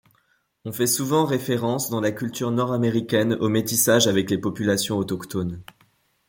On fait souvent référence dans la culture nord-américaine au métissage avec les populations autochtones.